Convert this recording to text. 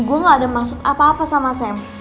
gue gaada maksud apa apa sama sam